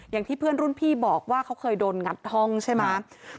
อย่างที่เพื่อนรุ่นพี่บอกว่าเขาเคยโดนงัดห้องใช่ไหม